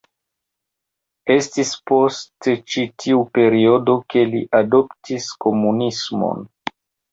Estis post ĉi tiu periodo ke li adoptis komunismon.